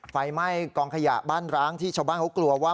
ไฟไหม้กองขยะบ้านร้างที่ชาวบ้านเขากลัวว่า